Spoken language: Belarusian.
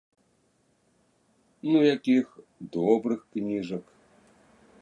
Ну якіх, добрых кніжак.